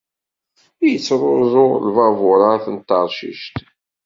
Ittruẓu lbaburat n Taṛcic.